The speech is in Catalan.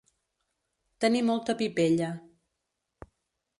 Tenir molta pipella.